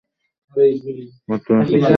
বর্তমানে সূত্রটি বিও-সাভার্ত সূত্র নামে পরিচিত।